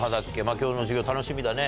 今日の授業楽しみだね。